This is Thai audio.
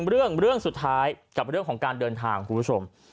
เรื่องเรื่องสุดท้ายกับเรื่องของการเดินทางคุณผู้ชม